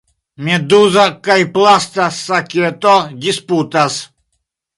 Meduzo kaj plasta saketo disputas.